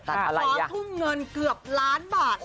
ความทุ่มเงินเกือบล้านบาทนะ